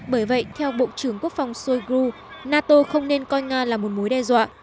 bởi vậy theo bộ trưởng quốc phòng shoigru nato không nên coi nga là một mối đe dọa